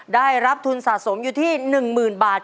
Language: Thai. ได้รับทุนสะสมอยู่ที่๑๐๐๐บาท